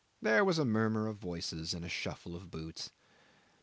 There was a murmur of voices and a shuffle of boots.